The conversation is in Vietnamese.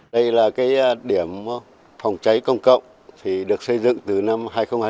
đây là điểm phòng cháy công cộng được xây dựng từ năm hai nghìn hai mươi